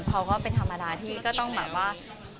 เขาก็เป็นธรรมดาที่ก็ต้องแบบว่า